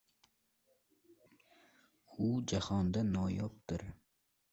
U – jahonda noyobdir.